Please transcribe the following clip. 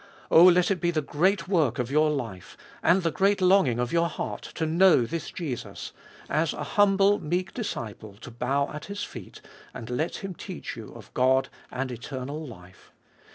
Oh, let it be the great work of your life, and the great longing of your heart, to know this Jesus ; as a humble, meek disciple to bow at His feet, and let Him teach you of God and eternal life.